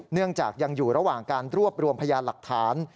เนื่องจากยังอยู่ระหว่างการรวบรวมพยานหลักฐาน